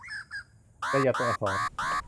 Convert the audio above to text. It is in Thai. ประหยัดตัวอักษร